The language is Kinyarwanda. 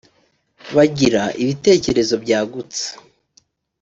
bagira ibitekerezo byagutse